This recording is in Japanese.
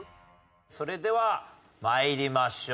それでは参りましょう。